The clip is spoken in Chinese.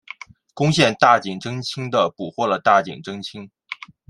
攻陷大井贞清的捕获了大井贞清。